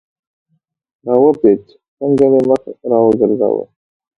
را و پېچ، څنګه مې مخ را وګرځاوه.